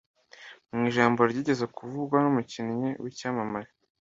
mu ijambo ryigeze kuvugwa n’umukinnyi w’icyamamare